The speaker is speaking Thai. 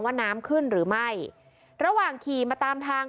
ว่าน้ำขึ้นหรือไม่ระหว่างขี่มาตามทาง